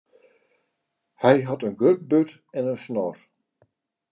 Hy hat in grut burd en in snor.